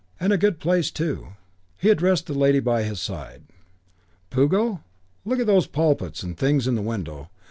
"And a good place too." He addressed the lady by his side. "Puggo, look at those pulpits and things in the window.